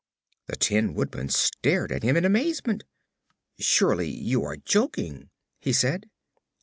The Tin Woodman stared at him in amazement. "Surely you are joking!" he said.